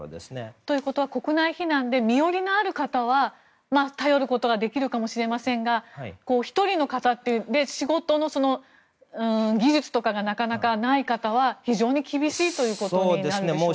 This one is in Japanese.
ということは国内避難で身寄りのある方は頼ることができるかもしれませんが１人の方、仕事の技術とかがなかなかない方は非常に厳しいということになるんでしょうか。